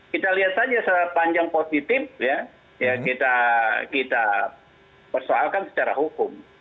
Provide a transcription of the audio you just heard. kita lihat saja sepanjang positif ya kita persoalkan secara hukum